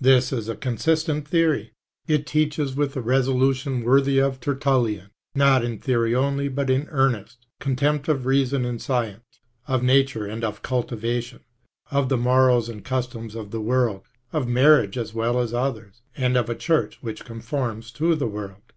This is a consistent theoi^. It teaches with a resolution worthy of TertuUian, not in theory only but in earnest, contempt of reason and science, of nature and of cultivation, of the morals and customs of the world (of marriage as well as others), and of a Church which conforms to the world.